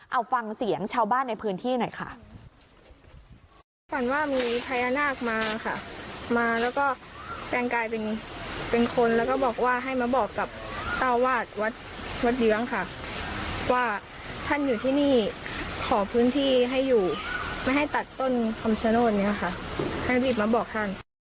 เอาฟังเสียงชาวบ้านในพื้นที่หน่อยค่ะ